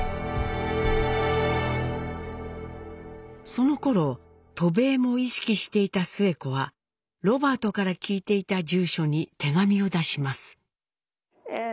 そのころ渡米も意識していたスエ子はロバートから聞いていた住所に手紙を出します。